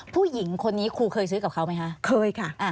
ผู้หญิงคนนี้ครูเคยซื้อกับเขาไหมคะเคยค่ะ